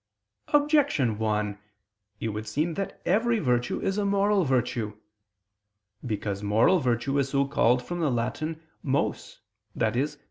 Objection 1: It would seem that every virtue is a moral virtue. Because moral virtue is so called from the Latin mos, i.e.